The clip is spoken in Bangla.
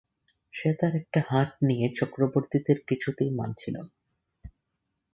সে তার একটা হাট নিয়ে চক্রবর্তীদের কিছুতে মানছিল না।